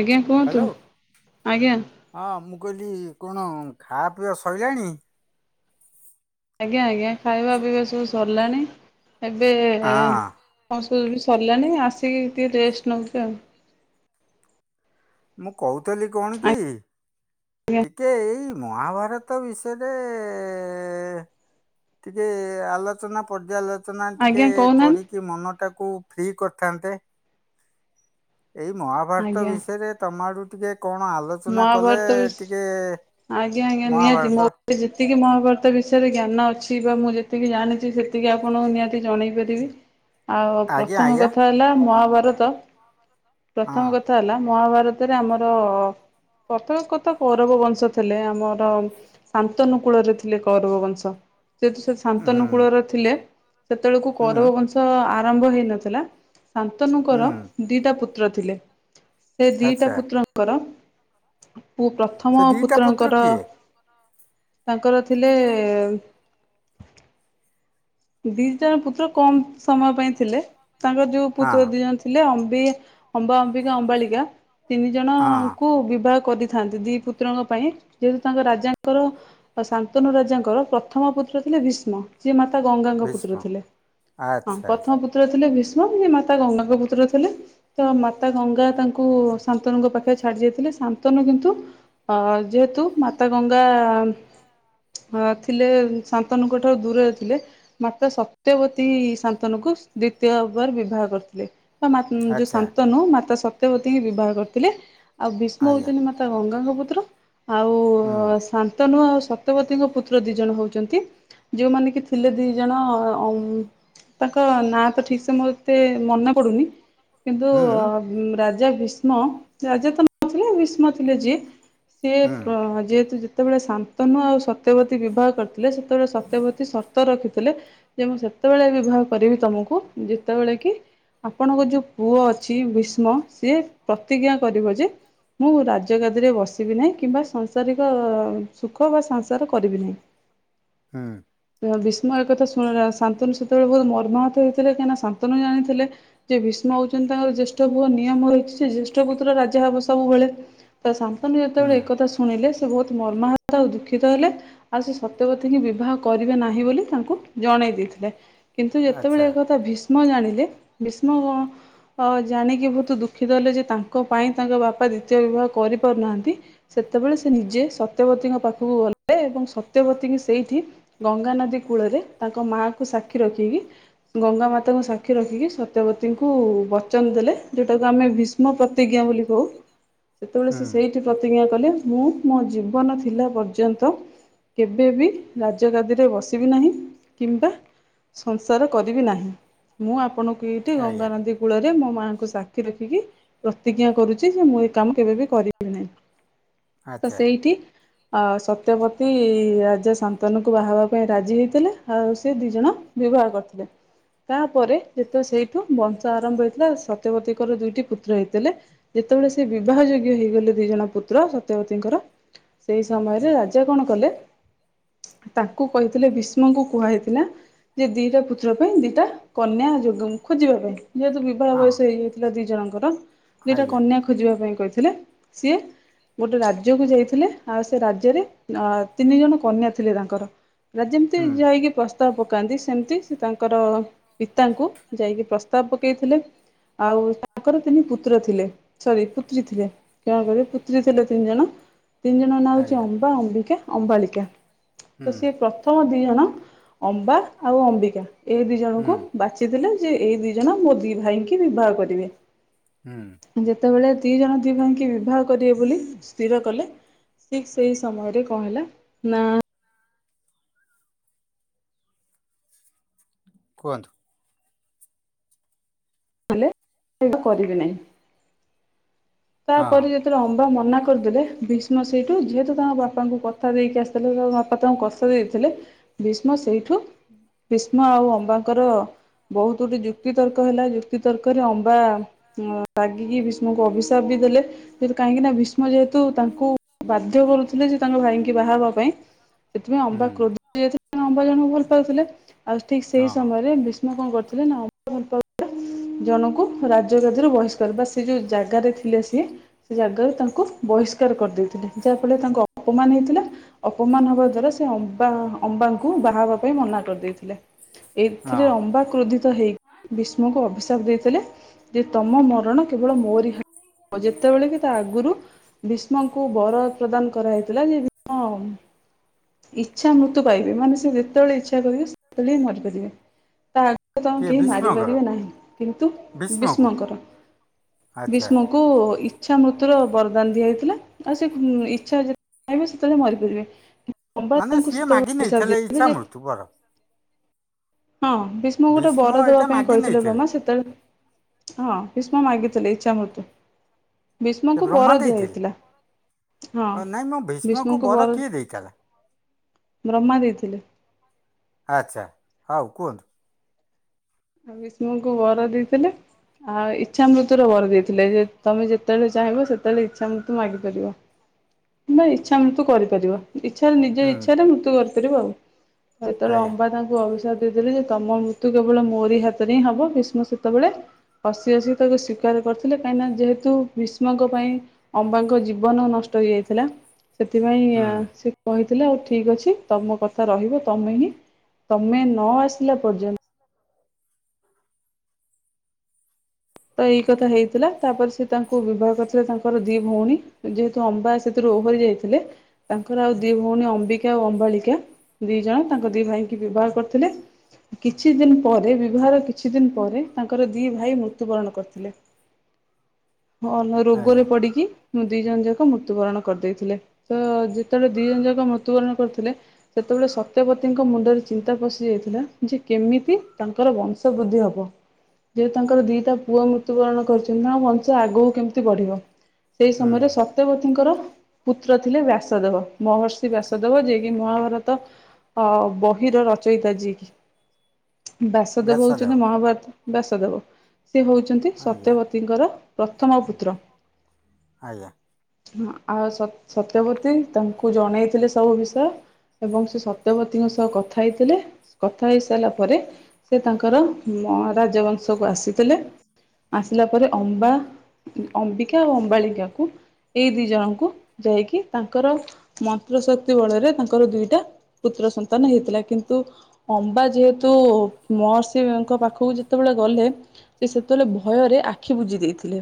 ଆଜ୍ଞା କୁହନ୍ତୁ। ହ୍ୟାଲୋ ଆଜ୍ଞା! ହଁ ମୁଁ କହିଲି କଣ ଖାଆ ପିଆ ସଇଲାଣି। ଆଜ୍ଞା ଆଜ୍ଞା। ଖାଇବା ସ- ବିି ବ ସୁ ସରିଲାଣି ଏବେ ହଁ ତୁ ବି ସରିଲାଣି ଆସିକି ଟିକେ ରେଷ୍ଟ ନଉଛି ଆଉ। ମୁଁ କହୁ ଥିଲି କଣ କି ଆଜ୍ଞା ଟିକେ ଏଇ। ମହାଭାରତ ବିଷୟରେ ଟିକଏ ଆଲୋଚନା ପର୍ଯ୍ୟାଲୋଚ ଚନା ଆଜ୍ଞା ଟିକେ କହୁନାହାନ୍ତି କରିକି ମନଟାକୁ। କୁ ଫ୍ରି କରିଥାନ୍ତେ। ଏଇ ମହାଭାରତ ଆଜ୍ଞା ବିଷୟରେ ତମାଡ଼ୁ ଟିକେ କଣ ଆଲୋଚନା କଲେ ମହାଭାରତ ବି ଟିକେ ଆଜ୍ଞା ଆଜ୍ଞା ନିହାତି ମହାଭାରତ। ମୋ ଯେତିକି ମହାଭାରତ ବିଷୟରେ ଜ୍ଞାନ ଅଛି ବା ମୁଁ ଯେତିକି ଜାଣିଛି ସେତିକି ଆପଣଙ୍କୁ ନିହାତି ଜଣେଇ ପାରିବି। ଆଉ ଆଜ୍ଞା ପ୍ରଥମ ଆଜ୍ଞା। କଥା ହେଲା ମହା ବର ତ। ହଁ ପ୍ରଥମ କଥା ହେଲା ମହାଭାର ଭାରତରେ ଆମର। ପ୍ରଥମେ କଥା କୌରବ ବଂଶ ଥିଲେ ଆମର ଶାନ୍ତନୁ କୁଳରେ ଥିଲେ କୌରବ ବଂଶ ଯେହେତୁ ସେ ଶାନ୍ତନୁ ହୁଁ। କୂଳର ଥିଲେ। ସେତେବେଳକୁ ହୁଁ କୌରବ ବଂଶ ଆ ସେତେବେଳକୁ କୌରବ ଓ ପାଣ୍ଡବ ବଂଶର ଜନ୍ମ ହୋଇନଥିଲା। ଶାନ୍ତନୁଙ୍କର ହୁଁ ଦୀଟା ପୁତ୍ର ପୁତ୍ର ଥିଲେ। ସେ ଦିଟା ଆଚ୍ଛା ପୁତ୍ରଙ୍କର। [inaudible] ମୁଁ ସେ ପ୍ରଥମ ଦିଟା ପୁତ୍ର ପୁତ୍ରଙ୍କର କିଏ? ତାଙ୍କର ଥିଲେ। ଦି ଜଣ ପୁତ୍ର କମ୍ ସମୟ ପାଇଁ ଥିଲେ। ତାଙ୍କ ଯୋଉ ପୁତ୍ର ହଁ। ଦି ଜଣ ଥିଲେ ଅ ଅବି, ଅମ୍ବା, ଅମ୍ବିିକା, ଅମ୍ବାଳିକା। ତିନି ହଁ। ଜଣଙ୍କୁୁ ବିବାହ କରିଥିଲେ। ଥାନ୍ତି ଦି ପୁତ୍ରଙ୍କ ପାଇଁ ଯେହେତୁ ତାଙ୍କ ରାଜାଙ୍କର ଶାନ୍ତନୁ ରାଜାଙ୍କର ପ୍ରଥମ ପୁତ୍ର ଥିଲେ ଭୀଷ୍ମ ଯିଏ ମାତା ଗଙ୍ଗାଙ୍କ ଦୁଇଟି ପୁତ୍ର ଭୀଷ୍ମ ଥିଲେ। ହଁ, ଆଚ୍ଛା ଆଚ୍ଛା। ପ୍ରଥମ ପୁତ୍ର ଥିଲେ ବିଷ୍ଣୁ ମାତା ଗଙ୍ଗାଙ୍କ ପୁତ୍ର ଥିଲେ ଦେବବ୍ରତ ଭୀଷ୍ମମାତା ଗଙ୍ଗା ତାଙ୍କୁ ପିତା ଶନ୍ତନୁଙ୍କ ପାଖରେ ଛାଡ଼ି ଦେଇ ଚାଲିଯାଇଥିଲେ। ତାପରେ ଶନ୍ତନୁ ନିଜ ପୁତ୍ରଙ୍କ ଲାଳନ ପାଳନ କରିଥିଲେ। ମାତା ସତ୍ୟବତୀ ଶାନ୍ତନୁକୁ ଦ୍ଵିତୀୟ ବାର ବିବାହ କରିଥିଲେ। ଯୋଉ ଆଚ୍ଛା ଶାନ୍ତନୁ ମାତା ସ [unintelligible] ସତ୍ୟବତୀ କୁ ବିବାହ କରିଥିଲେ। ଆଉ ଭୀଷ୍ମ ଆଜ୍ଞା। ହଉଛନ୍ତି ମାତା ଗଙ୍ଗାଙ୍କ ପୁତ୍ର। କୁତ୍ର [unintelligible] ଆଉ ପୁତ୍ର ହୁଁ। ଶ [unintelligible] ୁ ସତପଦୀଙ୍କ ପୁତ୍ର ଦି ଜଣ ହଉଛନ୍ତି ଯୋଉମାନେ କି [unintelligible] ଥିଲେ ଦି ଜଣ ତାଙ୍କ ନାଁ ତ ଠିକ ସେ ମୋର ଏତେ ମନେ ପଡୁନି। କିନ୍ତୁ? ହୁଁ। ରାଜା ଭୀଷ୍ମ ରାଜା ତ ନଥିଲେ ଭୀଷ୍ମ ଥିଲେ ଯିଏ। ସେ ଯେହେତୁ। ସେତେବେଳେ ଶାନ୍ତନୁ ଓ ସତ୍ୟବତୀ ବିବାହ କରିଥିଲେ। ହେଲେ ସେତେବେଳେ ସତ୍ୟବତୀଙ୍କର କୌଣସି ସନ୍ତାନ ନଥିଲା। ଯେତେବେଳେ କି ଆପଣଙ୍କ ପୁଅ ଭୀଷ୍ମ ପ୍ରତିଜ୍ଞା କରିଥିଲେ ଯେ, ସେ କେବେ ରାଜଗାଦୀରେ ବସିବେ ନାହିଁ ଏବଂ ସାରା ଜୀବନ ବିବାହ କିମ୍ବା ସଂସାର କରିବେ ନାହିଁ। ହୁଁ। ଏପରି ହୋଇଥିଲା, କାରଣ ଶାନ୍ତନୁ ଜାଣିଥିଲେ ଯେ ଭୀଷ୍ମ ତାଙ୍କର ଜ୍ୟେଷ୍ଠ ପୁତ୍ର। ପରମ୍ପରା ଅନୁଯାୟୀ, ଜ୍ୟେଷ୍ଠ ପୁତ୍ର ହିଁ ସବୁବେଳେ ରାଜଗାଦୀର ଉତ୍ତରାଧିକାରୀ ହୋଇଥାଏ। ଶାନ୍ତନୁ ଯେତେବେଳେ ହୁଁ ଏକଥା ଶୁଣିଲେ, ସେ ଅତ୍ୟନ୍ତ ପ୍ରସନ୍ନ ହେଲେ ଏବଂ ଭୀଷ୍ମଙ୍କୁ ଇଚ୍ଛାମୃତ୍ୟୁର ବର ପ୍ରଦାନ କଲେ। ବହୁତ ମର୍ମାହତ ଆଉ ଦୁଃଖିତ ହେଲେ ଆଉ ସେ ସତ୍ୟବତୀ ଙ୍କୁ ବିବାହ କରି ନାହିଁ ବୋଲି ତାଙ୍କୁ ଜଣେଇ ଦେଇଥିଲେ। କିନ୍ତୁ ଯେତେବେଳେ ଆଚ୍ଛା। ଏକଥା ଭିଷ୍ମ ଭ୍ରୀଷ୍ମ ଜାଣିଲେ ଭୀଷ୍ମ ହୁଁ। କଣ ଜାଣିକି ବହୁତ ଦୁଃଖୀିତଲେ ଯେ ତାଙ୍କ ପାଇଁ ତାଙ୍କ ବାପା ଦ୍ୱିତୀୟ ବିବାହ ଜାଣିଲେ କରିପାରୁନାହାନ୍ତି ସେତେବେଳେ ସେ ନିଜେ ସତ୍ୟବତୀଙ୍କ ପାଖକୁ ଗଲେ ଏବଂ ସତ୍ୟବତୀଙ୍କୁ ସେଇଠି ଗଙ୍ଗାାନଦୀ କୂଳରେ ତାଙ୍କ ମାଆଙ୍କୁ ସାକ୍ଷୀ ରଖିକି ଗଙ୍ଗା ମାତାଙ୍କୁ ସାକ୍ଷୀ ରଖିକି ସତ୍ୟବତୀଙ୍କୁ ବଚନ ଦେଲେ ଯେଉଟାକୁ ଆମେ ଭୀଷ୍ମ ପ୍ରତିଜ୍ଞା ବୋଲି କହୁ ସେତେବେଳେ ତେବେ ସେଇଠି ପ୍ରତିଜ୍ଞା କ ମୁଁ ମୋ ଜୀବନ ଥିଲା ପର୍ଯ୍ୟନ୍ତ ଆଜ୍ଞା। କେବେ ବି- ଗଦିରେ ବସିବି ନାହିଁ କି ସଂସାର କରିବ ନାହି ମୁଁ ଆପଣ ଏଇଠି ଗଙ୍ଗାନଦୀ କୂଳରେ ମୋ ମାଆଙ୍କୁ ସାକ୍ଷୀ ରଖିକି ପ୍ରତିଜ୍ଞା କରୁଛି ଯେ ମୁଁ ଏ କାମ କେବେ ବି କରିବି ନାହିଁ। ରଖିବି। ତ ଆଚ୍ଛା। ସେଇଠି ଆ ସତ୍ୟପତି ରାଜ ସନ୍ତ ତନକୁ ବାହାବା ପାଇଁ ରାଜି ହେଇଥିଲେ ଆଉ ସେ ଦି ଜଣ ବିବାହ କରିଥିଲେ ତାପରେ ଯେତେବେଳେ ସେଇଠୁ ବଂଶ ଆରମ୍ଭ ହେଇଥିଲା ସତ୍ୟବତୀଙ୍କର ବାହାହେବାକୁ ରାଜି ହେଇଥିଲେ ଆଉ ସେ ଦି ଜଣ ବିବାହ କରିଥିଲେ ତାପରେ ସେଇଠୁ ବଂଶ ଆରମ୍ଭ ହୋଇଥିଲା ସତ୍ୟବତୀଙ୍କର ଦୁଇଟି ପୁତ୍ର ହେଇଥିଲେ ଯେତେବେଳେ ସେ ବିବାହ ଯୋଗ୍ୟ ହେଇଗଲେ ଦି ଜଣ ପୁତ୍ର ସତ୍ୟବତୀଙ୍କର ସେଇ ସମୟରେ ରାଜା କଣ କଲେ। ତାଙ୍କୁ କହିଥିଲେ ବିଷ୍ମଙ୍କୁ କୁହା ହେଇଥିଲା ଯେ ଦିଟା ପୁତ୍ର ପାଇଁ ଦିଟା କନ୍ୟା ଯ ଖୋଜିବା ପାଇଁ ଯେହେତୁ ବିବାହ ବୟସ ହଁ। ହେଇଯାଇଥିଲା ଦି ଜଣଙ୍କ କର ଦିଟା ଆଜ୍ଞା କନ୍ୟା ଖୋଜିବା ପାଇଁ କହିଥିଲେ ସିଏ ଗୋଟେ ରାଜ୍ୟକୁ ଯାଇଥିଲେ ଆଉ ସେ ରାଜ୍ୟରେ ତିନି ଜଣ କନ୍ୟା ଥିଲେ ତାଙ୍କର। ପୁର ଯେମିତି ହୁଁ ଯାଇକି ପ ପ୍ରସ୍ତାବ ପକାନ୍ତି ସେମିତି ସେ ତାଙ୍କର ପିତାଙ୍କୁ ଯାଇକି ପ୍ରସ୍ତାବ ପକେଇଥିଲେ ଆଉ ତାଙ୍କର ତିନି ପୁତ୍ର ଥିଲେ ସରି ପୁତ୍ରୀ ଥିଲେ କଣ କରିବେ ପୁତ୍ରୀ ଥିଲେ ତିନି ଜଣ। ତିନି ଜଣଙ୍କ ନାଁ ହେଉଛି ଆଜ୍ଞା। ଅମ୍ବା ଅମ୍ବିକା। ଅମ୍ବଳିକା। ହୁଁ ତ ସିଏ ପ୍ରଥମ ଦି ଜଣ ଅମ୍ବା ଆଉ ଅମ୍ବିକା। ଏଇ ଦି ହୁଁ ଜଣଙ୍କୁ ବାଛିଲେ। ଯେ ଏଇ ଦି ଜଣ ମୋ ଦି ଭାଇ କି ବିବାହ କରିବେ। ହୁଁ। ସେତେବେଳେ ଦି ଜଣ ଦି ଭାଇକି ବିବାହ କରିବେ ବୋଲି ସ୍ଥିର କଲେ, ଠିକ ସେଇ ସମୟରେ କଣ ହେଲା ନାଁ କୁହନ୍ତୁ,? ବେ କରିବି ନାହିଁ। ହଁ ତାପରେ ଯେତେବେଳେ ଅମ୍ବା ମନା କରିଦେଲେ ଭୀଷ୍ମ ସେଇଠୁ ଯେହେତୁ ତାଙ୍କ ବାପାଙ୍କୁ କଥା ଦେଇକି ଆସିଥିଲେ ତାଙ୍କ ବାପା ତାଙ୍କୁ କଥା ଭୀଷ୍ମ ସେଇଠୁ ଯେହେତୁ ତାଙ୍କ ବାପା ଙ୍କୁ କଥା ଦେଇକି ଆସିଥିଲେ ଦେଇଥିଲେ ଭୀଷ୍ମ ସେଇଠୁ ଭୀଷ୍ମ ଆଉ ଅମ୍ବାଙ୍କର ବହୁତ ଗୋଟେ ଯୁକ୍ତି ତର୍କ ହେଲା ଯୁକ୍ତି ତର୍କ ରେ ଅମ୍ବା ରାଗିକି ଭୀଷ୍ମକୁ ଅବ ପ୍ରସ୍ତାବ ବି ଦେଲେ ଯେୁ କାହିଁକି ନା ଭୀଷ୍ମ ଯେହେତୁ ତାଙ୍କୁ ବାଧ୍ୟ କରୁଥିଲେ ଯେ ତାଙ୍କ ଭାଇଙ୍କ ବାହା ହେବା ପାଇଁ। ସେଥିପାଇଁ ହୁଁ ଅମ୍ବା କ୍ରୋଧ ଅମ୍ୱା ଜଣଙ୍କୁ ଭଲ ପାଉଥିଲେ। ଆଉ ଠିକ ସେଇ ହଁ। ସମୟରେ ମୁଁ କଣ କରିଥିଲି ନା। ଜଣଙ୍କୁ ରାଜ ଗାଦିରୁ ବହିଷ୍କାର ବା ସେ ଯୋଉ ଜାଗାରେ ଥିଲେ ସିଏ ସେ ଜାଗାରେ ତାଙ୍କୁ ବହିଷ୍କାର କରିଥିଲେ। ଥିଲେ ଯାହାଫଳରେ ତାଙ୍କ ଅପମାନ ହେଇଥିଲା ଅପମାନ ହବା ଦ୍ଵାରା ସେ ଅଂମ୍ପା ଙ୍କୁ ଅମ୍ବାଙ୍କୁ ବାହା ହେବା କୁ ମନା କରିଦେଇଥିଲେ, ଏଥିରେ ହଁ ଅମ୍ବା କ୍ରୋଧିତ ହୋଇଇ ବିଷ୍ମକୁ ଅବିଶା ଦେଇଥିଲେ ଯେ ତମ ମରଣ କେବଳ ମୋରି ହା ଆଉ ଯେତେବେଳେ ବି ତା ଆଗରୁ ଭୀଷ୍ମଙ୍କୁ ବର ପ୍ରଦାନ କରାହେଇଥିଲା ଯେ ଭୀଷ୍ମ ଇଚ୍ଛା ମୃତ୍ୟୁ ପାଇବେ ମାନେ ସେ ଯେତେବେଳେ ଇଚ୍ଛା କରିବେ ସେତେବେଳେ ହିଁ ମରିପାରିବେ। ତା ତମ କିଏ କେହି ଭୀଷ୍ମଙ୍କର ମାରିପାରିବେ ନାହିଁ। କିନ୍ତୁ ଭୀଷ୍ମକୁ ବିଷ୍ମଙ୍କର ଆଚ୍ଛା ବିଷ୍ଣୁ ଙ୍କୁ ଇ ଇଚ୍ଛା ମୃତ୍ୟୁର ବରଦାନ ଦିଆ ହେଇଥିଲା ଆଉ ସେ ଇଚ୍ଛା ଯେତେବେଳେ ପାଇବେ ସେତେବେଳେ ମରିପାରିବେ। ବ୍ରହ୍ମା ମାନେ ତାଙ୍କୁ ସିଏ ସେତେବେଳେ ମାଗି ଅଭିଶାପ ନେଇଥିଲେ ଦେଇଥିଲେ ଇଛା ଯେ ମୃତ୍ୟୁ ବର ହଁ ବିଷ୍ଣୁଙ୍କୁ ଗୋଟେ ଭୀଷ୍ମ ବର ଦେବା ଏଇଟା ପାଇଁ ମାଗି କହିଥିଲେ ନେଇଥିଲେ ବ୍ରହ୍ମା ସେତେବେଳେ ହଁ ଭୀଷ୍ମ ମାଗିଥିଲେ ଇଚ୍ଛା ମୃତ୍ୟୁ। ସେ ବିଷ୍ମୁଙ୍କୁ ବ୍ରହ୍ମା ବର ଦେଇଥିଲେ ଦିଆହେଇଥିଲା ହଁ ଅ, ନାଇଁ ମୋ ଭୀଷ୍ମକୁ ବିଷ୍ମୁଙ୍କୁ ବର କିଏ ଦେଇଥିଲା ବ୍ରହ୍ମା ଦେଇଥିଲେ। ଆଚ୍ଛା ହଉ କୁହନ୍ତୁ। ବିଷ୍ମୁଙ୍କୁ ବର ଦେଇଥିଲେ ଆଉ ଇଚ୍ଛା ମୃତ୍ୟୁର ବର ଦେଇଥିଲେ ଯେ ତମେ ଯେତେବେଳେ ଚାହିଁବ ସେତେବେଳେ ଇଚ୍ଛା ମୃତ୍ୟୁ ମାଗିପାରିବ କିମ୍ବା ଇଚ୍ଛା ମୃତ୍ୟୁ କରିପାରିବ। ଇଚ୍ଛା ରେ ନିଜ ହୁଁ। ଇଚ୍ଛା ରେ ମୃତ୍ୟୁ କରିଥିଲେ। କରିବ ଆଉ। ହାତେ ଆଜ୍ଞା ଲମ୍ବା ତାଙ୍କୁ ଦେଇଦେଲେ ଯେ ତମ ମୃତ୍ୟୁ କେବଳ ମୋ ସେଇ ହାତରେ ହିଁ ହବ ବିଷ୍ଣୁ ସେତେବେଳେ ହସି ହସି ତାକୁ ସ୍ବୀକାର କରିଥିଲେ କାହିଁନା ଯେହେତୁ ଭୀଷ୍ମଙ୍କ ପାଇଁ ଅମ୍ବାଙ୍କ ଜୀବନ ନଷ୍ଟ ହେଇଯାଇଥିଲା। ସେଥିପାଇଁ ହୁଁ ସେ କହି ଥିଲା ଆଉ ଠିକ୍ ଅଛି ତମ କଥା ରହିବ ତମେ ହିଁ ତମେ ନ ଆସିଲା ପର୍ଯ୍ୟନ୍ତ ତ ଏଇ କଥା ହେଇଥିଲା ତାପରେ ସେ ତାଙ୍କୁ ବିବାହ କରିଥିଲେ ତାଙ୍କର ଦି ଭଉଣୀ ଯେହେତୁ ଅମ୍ବା ସେଥିରୁ ଓହରି ଯାଇଥିଲେ ତାଙ୍କର ଆଉ ଦି ଭଉଣୀ ଅମ୍ବିକା ଆଉ ଅମ୍ବାଳିକା ଦି ଜଣ ତାଙ୍କ ଦି ଭାଇ କି ବିବାହ କରିଥିଲେ କିଛି ଦିନ ପରେ ବିବାହର କିଛି ଦିନ ପରେ ତାଙ୍କର ଦି ଭାଇ। ମୃତ୍ୟୁ ବରଣ କରିଥିଲେ ରୋଗରେ ଆଜ୍ଞା ପଡିକି ମୁଁ ଦି ଜଣ ଯା ମୃତ୍ୟୁବରଣ କରିଦେଇଥିଲେ ତ ଯେତେବେଳେ ଦି ଜଣ ଯାକ ମୃତ୍ୟୁବରଣ କରିଥିଲେ ସେତେବେଳେ ସତ୍ୟପତିଙ୍କ ମୁଣ୍ଡରେ ଚିନ୍ତା ପଶି ଯାଇଥିଲା ଯେ କେମିତି ତାଙ୍କର ବଂଶ ବୃଦ୍ଧି ହବ ଯେ ତାଙ୍କର ଦି ପୁଅ ମୃତ୍ୟୁବରଣ କରିଛନ୍ତି ତାଙ୍କ ବଂଶ ଆଗକୁ କେମିତି ବଢ଼ିବ ସେହି ସମୟରେ ହୁଁ। ସତ୍ୟବତୀଙ୍କର ପୁତ୍ର ଥିଲେ ବ୍ୟାସଦେବ ମହର୍ଷି ବ୍ୟାସଦେବ ଯିଏକି ମହାଭାରତ ଅ ବହିର ରଚୟତା ଯିଏକି ବ୍ୟାସଦେବ ହୋଇଛନ୍ତି ମହାଭାରତ ବାସ୍ୟ ଦେବ। ସେ ହେଉଛନ୍ତି ଆଜ୍ଞା। ସତ୍ୟବତୀଙ୍କର ପ୍ରଥମ ପୁତ୍ର। ଆଜ୍ଞା। ଆଉ ସତ୍ ସତ୍ୟପତୀ ତାଙ୍କୁ ଜଣେଇଥିଲେ ସବୁ ବିଷୟ ଏବଂ ସେ ସତ୍ୟପତୀଙ୍କ ସହ କଥା ହେଇଥିଲେ କଥା ହେଇସାଇଲା ପରେ ସେ ତାଙ୍କର ମଆ ରାଜବଂଶକୁ ଆସି ତିଲେ ଆସିଲା ପରେ ଅମ୍ବା, ଅମ୍ବିକା ଆଉ ଅମ୍ବାଳିକା କୁ ଏଇ ଦି ଜଣଙ୍କୁ ଯାଇକି ତାଙ୍କର ମନ୍ତ୍ର ଶକ୍ତି ବଳରେ ତାଙ୍କର ଦୁଇଟା ପୁତ୍ର ସନ୍ତାନ ହେଇଥିଲା କିନ୍ତୁ ଅମ୍ବା ଯେହେତୁ ମହର୍ଷିଙ୍କ ପାଖକୁ ଯେତେବେଳେ ଗଲେ ସେ ସେତେଲେ ଭୟରେ ଆଖି ବୁଜି ଦେଇଥି ଲେ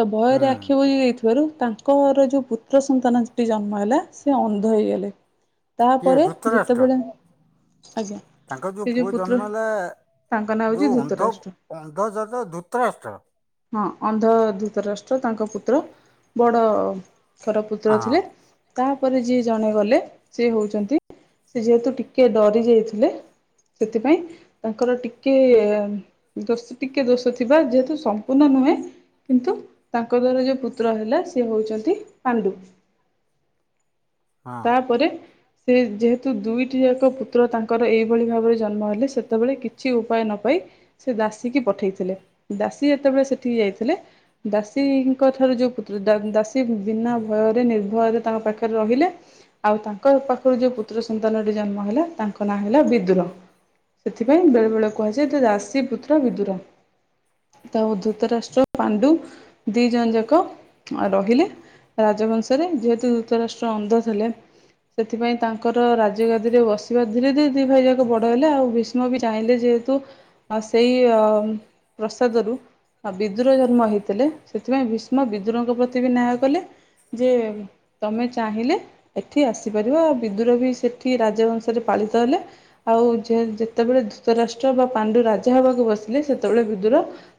ତ ହୁଁ। ଭୟରେ ଆଖି ବୁଜି ଏଇଥିବାରୁ ତାଙ୍କ୍ ଙ୍କରେ ଯୋଉ ପୁତ୍ର ସନ୍ତାନଟି ଜନ୍ମ ହେଲା ସେ ଅନ୍ଧ ହେଇଗଲେ। କିଏ ତାପରେ ଧୃତରାଷ୍ଟ୍ର ଯେତେବେଳେ ଆଜ୍ଞା ତାଙ୍କ ଏ ଯୋଉ ପୁଅ ଜନ୍ମ ପୁତ୍ର ହେଲା ତାଙ୍କ ନାଁ ହଉଛି ଧୁତରାଷ୍ଟ୍ର। ଅନ୍ଧଜତ ଧୁତରାଷ୍ଟ୍ର। ହଁ ଅନ୍ଧ ଧୂତରାଷ୍ଟ୍ର ତାଙ୍କ ପୁତ୍ର ବଡ ଙ୍କର ପୁତ୍ର ହଁ ଥିଲେ। ତାପରେ ଯିଏ ଜଣେ ଗଲେ ସିଏ ହଉଛନ୍ତି ସେ ଯେହେତୁ ଟିକେ ଡରି ଯାଇଥିଲେ ସେଥିପାଇଁ ତାଙ୍କର ଟିକେ ଦୋଷ୍ ଟିକେ ଦୋଷ ଥିବା ଯେହେତୁ ସମ୍ପୂର୍ଣ୍ଣ ନୁହେଁ କିନ୍ତୁ ତାଙ୍କ ଦ୍ଵାରା ଯୋଉ ପୁତ୍ର ହେଲା ସେ ହଉଛନ୍ତି ପାଣ୍ଡୁ। ହଁ ତାପରେ। ସେ ଯେହେତୁ ଦୁଇଟି ଜାକ ପୁତ୍ର ତାଙ୍କର ଏଇଭଳି ଭାବରେ ଜନ୍ମ ହେଲେ ସେତେବେଳେ କିଛି ଉପାୟ ନ ପାଇ ସେ ଦାସୀକି ପଠେଇଥିଲେ ଦାସୀ ଯେତେବେଳେ ସେଠିକି ଯାଇଥିଲେ ଦାସୀଙ୍କ ଠାରୁ ଯେଉଁ ପୁତ୍ର ଦା ଦାସୀ ବିନା ଭୟରେ ନିର୍ଭୟରେ ତାଙ୍କ ପାଖରେ ରହିଲେ ଆଉ ତାଙ୍କ ପାଖରୁ ଯେଉଁ ପୁତ୍ର ସନ୍ତାନଟି ଜନ୍ମ ହେଲା ତାଙ୍କ ନାଁ ହେଲା ବିଦୁର ସେଥିପାଇଁ ବେଳେବେଳେ କୁହାଯାଏ ଯେ ଦାସି ଶି ପୁତ୍ର ବିଦୁର ତାଉ ଧୂତରାଷ୍ଟ୍ର ପାଣ୍ଡୁ ଦି ଜଣ ଯାକ ରହିଲେ ରାଜବଂଶ୍। ତରେ ଯେହେତୁ ଧୂତରାଷ୍ଟ୍ର ଅନ୍ଧ ଥିଲେ ସେଥିପାଇଁ ତାଙ୍କ କର ରାଜଗାଦିରେ ବସିବା ଧୀରେ ଧୀରେ ଦି ଭାଇ ଯାକ ବଡ଼ ହେଲେ ଆଉ ଭିସ୍ ମ ବି ଚାହିଁଲେ ଯେହେତୁ ସେଇ ଅମ୍ ପ୍ରସାଦରୁ ବିଦୁର ଜନ୍ମ ହେଇ ଥିଲେ ସେଥିପାଇଁ ଭୀଷ୍ମ ବିଦୁରଙ୍କ ପ୍ରତି ବି ନ୍ୟାୟ କଲେ ଯେ ତମେ ଚାହିଁଲେ ଏଠି ଆସିପାରିବ ଆ ବିଦୁର ବି ସେଠି ରାଜବଂଶରେ ପାଳିତ ହେଲେ ଆଉ ଯେ ଯେତେବେ [unintelligible] ଧୁତରାଷ୍ଟ୍ର ବା ପାଣ୍ଡୁ [unintelligible] ହବାକୁ ବସିଲେ ସେତେବେଳେ ବିଦୁର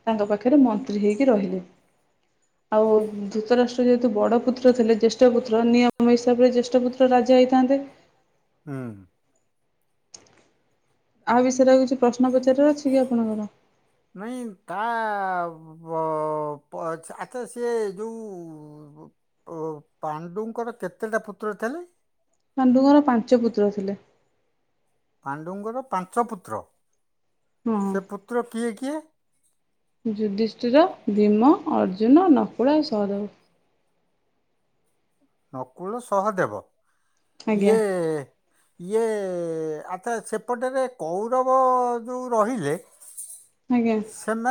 ତାଙ୍କ ପାଖରେ ମନ୍ତ୍ରୀ ହେଇକି ରହିଲେ। ଆଉ ଧୂତରାଷ୍ଟ୍ର ଯେହେତୁ ବଡ ପୁତ୍ର ଥିଲେ ଜ୍ୟେଷ୍ଠ ପୁତ୍ର ନିୟମ ହିସାବରେ ଜେଷ୍ଠ ପୁତ୍ର ରାଜା ହେଇଥାନ୍ତେ। ହୁଁ ଆ ବିଷୟ ରେ ଆଉ କି ପ୍ରଶ୍ନ ପଚାରିବାର ଅଛି କି ଆପଣଙ୍କର? ଆବ ପ ଚ୍ଛା ଆଚ୍ଛା ସିଏ ଯୋଉ ଉ ପାଣ୍ଡୁଙ୍କର କେତେଟା ପୁତ୍ର ଥିଲେ? ପାଣ୍ଡୁଙ୍କର ପାଞ୍ଚ ପୁତ୍ର ଥିଲେ। ପାଣ୍ଡୁଙ୍କର ପାଞ୍ଚ ପୁତ୍ର? ସେ ପୁତ୍ର କିଏ କିଏ? ଯୁଧିଷ୍ଟିର, ଭୀମ, ଅର୍ଜୁନ, ନକୁଳ, ସହଦେବ। ନକୁଳ, ସହଦେବ ଇଏ ଆଜ୍ଞା ଇଏ ଆଚ୍ଛା ସେପଟରେ କୌରବ ଯୋଉ ରହିଲେ ଆଜ୍ଞା।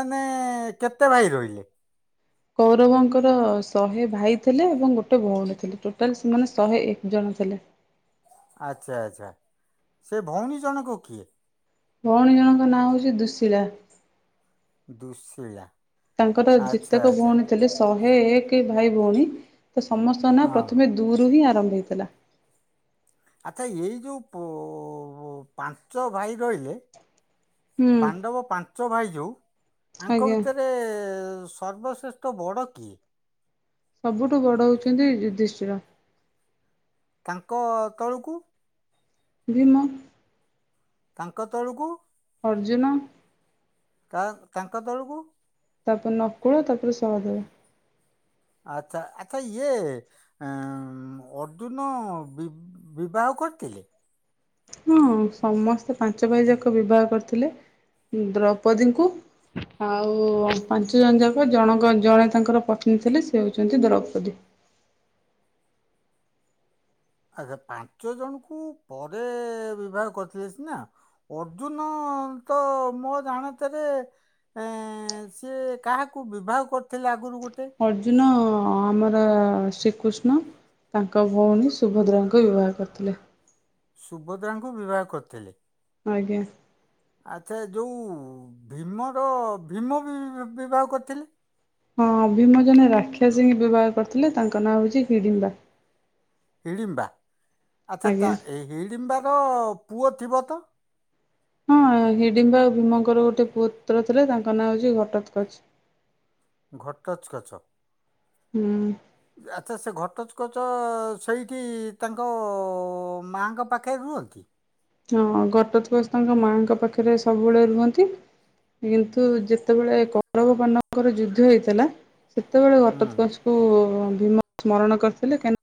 ନେ କେତେ ଭାଇ ରହିଲେ? କୌରବଙ୍କର ଶହେ ଭାଇ ଥିଲେ ଏବଂ ଗୋଟେ ଭଉଣୀ ଥିଲେ ଟୋଟାଲ ସେମାନେ ଶହେ ଏକ ଜଣ ଥିଲେ। ଆଚ୍ଛା ଆଚ୍ଛା ସେ ଭଉଣୀ ଜଣକ କିଏ? ଭଉଣୀ ଜଣଙ୍କ ନାଁ ହଉଛି ଦୁଶୀଳା। ଦୁଶୀଳା। ତାଙ୍କର ଆଚ୍ଛା ଯେତେକ ଆଚ୍ଛା ଭଉଣୀ ଥିଲେ ଶ [unintelligible] ଏକେ ଭାଇ ଭଉଣୀ। ତ ସମସ୍ତଙ୍କ ନା ହଁ ପ୍ରଥମେ ଦୂ ରୁ ହିଁ [unintelligible] ଆଚ୍ଛା ଏଇ ଯୋଉ ପୁ ଉ ପାଞ୍ଚ ଭାଇ ରହିଲେ ହୁଁ ପାଣ୍ଡବ ପାଞ୍ଚ ଭାଇ ଯଉ ଆଙ୍କ ଆଜ୍ଞା ଭିତରେ ସର୍ବଶ୍ରେଷ୍ଠ ବଡ କିଏ? ସବୁଠୁ ବଡ ହଉଛନ୍ତି ଯୁଧିଷ୍ଠିର। ତାଙ୍କ ତଳୁକୁ? ଭୀମ। ତାଙ୍କ ତଳକୁ? ଅର୍ଜୁନ। ତା ତାଙ୍କ ତଳକୁ? ତାପରେ ନକୁଳ ତାପରେ ସହଦେବ। ଆଛା ଆଚ୍ଛା ଇଏ ଅର୍ଜୁନ ବି ବିବାହ କରିଥିଲେ? ହଁ ସମସ୍ତେ ପାଞ୍ଚ ଭାଇ ଯାକ ବିବାହ କରିଥିଲେ ଦ୍ରୌପଦୀଙ୍କୁ ଆଉ ପାଞ୍ଚ ଜଣ ଯାକ ଜଣଙ୍କ ଜଣେ ତାଙ୍କର ପତ୍ନୀ ଥିଲେ ସେ ହଉଛନ୍ତି ଦ୍ରୌପଦୀ। ଆଛା ପାଞ୍ଚ ଜଣ ଙ୍କୁ ପରେ ବିବାହ କରିଥିଲେ ସିନା ଅର୍ଜୁନ ତ ମୋ ଜାଣତରେ ଏ ସିଏ କାହାକୁ ବିବାହ କରିଥିଲେ ଆଗୁରୁ ଗୋ ଅର୍ଜୁନ ହଁ ଆମର ଶ୍ରୀକୃଷ୍ଣ ତାଙ୍କ ଭଉଣୀ ସୁଭଦ୍ରାଙ୍କୁ ବିବାହ କରିଥିଲେ। ସୁଭଦ୍ରାଙ୍କୁ ବିବାହ କରିଥିଲେ? ଆଜ୍ଞା। ଆଚ୍ଛା ଯଉଁ ଭୀମର ଭୀମ ବିବାହ କରିଥିଲେ। ହଁଅ ଭିମ ଜଣେ ରାକ୍ଷାସିଂଙ୍କି ବିବାହ କରିଥିଲେ ତାଙ୍କ ନାଁ ହଉଛି ହିଡିମ୍ବା। ହିଡିମ୍ବା। ଆଚ୍ଛା ତା ଆଜ୍ଞା। ଏ ହିଡିମ୍ବା ର ପୁଅ ଥିବ ତ? ହଁ ହିଡିମ୍ବା ଆଉ ଭୀମଙ୍କର ଗୋଟେ ପୁପୁତ୍ର ଥିଲେ ତାଙ୍କ ନାଁ ହଉଛି ଘଟତକଛ। ଘଟତ୍କଚ। ହୁଁ ଆଚ୍ଛା ସେ ଘଟଚ କଚ ସେଇଠି ତାଙ୍କ ମାଆଙ୍କ ପାଖରେ ରୁହନ୍ତି? ହଁ ଘଟୋତ୍କଚ ତାଙ୍କ ମାଆଙ୍କ ପାଖରେ ସବୁବେଳେ ରୁହନ୍ତି କିନ୍ତୁ ଯେତେବେଳେ କୌରବ ପଣ୍ଡଙ୍କର ଯୁଦ୍ଧ ହେଇଥିଲା ସେତେବେଳେ ହୁଁ। ଘଟତ୍କଚ କୁ ଭୀମ ସ୍ମରଣ କରିଥିଲେ କିନ